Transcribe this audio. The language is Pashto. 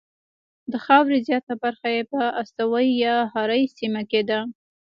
د خاورې زیاته برخه یې په استوایي یا حاره یې سیمه کې ده.